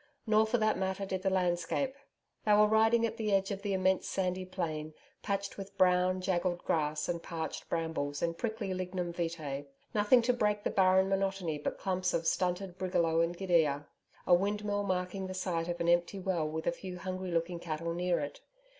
Nor for that matter did the landscape. They were riding at the edge of the immense sandy plain, patched with brown jaggled grass and parched brambles and prickly lignum vitae nothing to break the barren monotony but clumps of stunted brigalow and gidia, a wind mill marking the site of an empty well with the few hungry looking cattle near it.